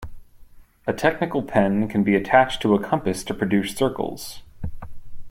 A technical pen can be attached to a compass to produce circles.